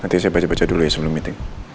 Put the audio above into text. nanti saya baca baca dulu ya sebelum itu